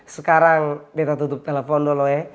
sekarang kita tutup telepon dulu ya